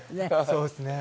そうですね。